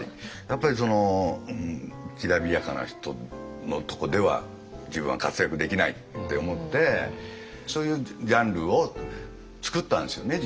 やっぱりそのきらびやかな人のとこでは自分は活躍できないって思ってそういうジャンルを作ったんですよね